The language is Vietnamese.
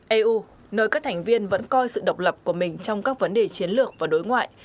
eu nơi các thành viên vẫn coi sự độc lập của mình trong các vấn đề chiến lược và đối ngoại